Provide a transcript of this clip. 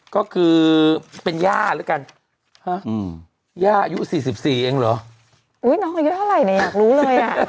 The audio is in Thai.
ก็คือเป็นย่าแล้วกันฮะย่าอายุ๔๔เองเหรออุ้ยน้องอายุเท่าไหร่เนี่ยอยากรู้เลยอ่ะ